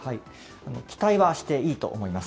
期待はしていいと思います。